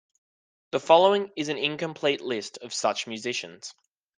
The following is an incomplete list of such musicians.